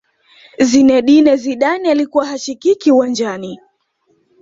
zinedine zidane alikuwa hashikiki uwanjani